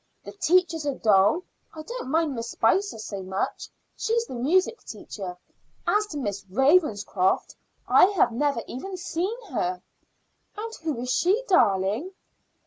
The teachers are dull. I don't mind Miss Spicer so much; she's the music teacher. As to Miss Ravenscroft, I have never even seen her." "And who is she, darling?"